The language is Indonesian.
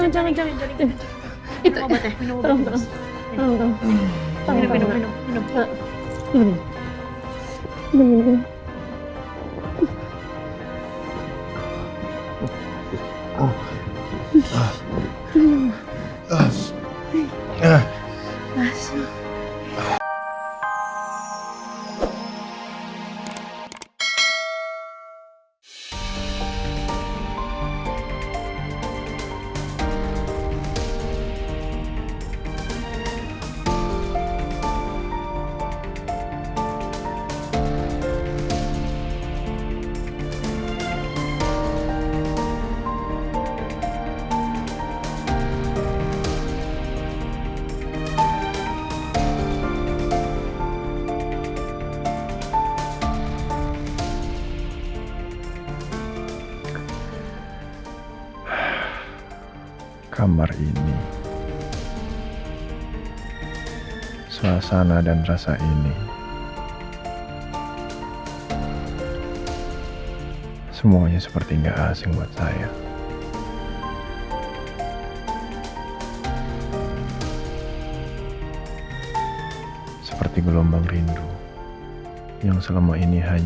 jangan lupa subscribe channel gw terima kasih